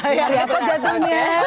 dari apa jatuhnya